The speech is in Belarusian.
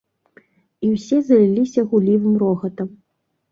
І ўсе заліліся гуллівым рогатам.